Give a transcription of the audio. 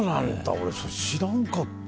俺それ知らんかった。